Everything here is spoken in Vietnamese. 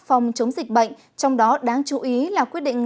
phòng chống dịch bệnh trong đó đáng chú ý là quyết định